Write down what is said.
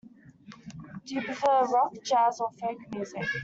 Do you prefer rock, jazz, or folk music?